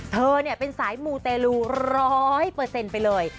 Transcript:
เธอเป็นสายมูเตรลูร้อยเปอร์เซ็นต์ไปเลย